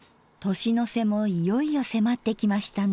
年の瀬もいよいよ迫ってきましたね。